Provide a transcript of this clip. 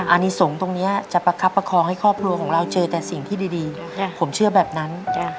อันนี้สงฆ์ตรงนี้จะประคับประคองให้ครอบครัวของเราเจอแต่สิ่งที่ดีผมเชื่อแบบนั้น